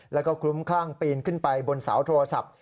แล้วก็คลุ้มคลั่งปีนขึ้นไปบนเสาโทรศัพท์